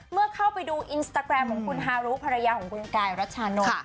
เมื่อเข้าไปดูอินสตาแกรมของคุณฮารุภรรยาของคุณกายรัชชานนท์